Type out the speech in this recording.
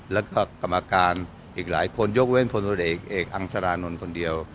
แล้วก็กรรมการอีกหลายคนยกเว้นพลตรวจเอกเอกอังสรานนท์คนเดียว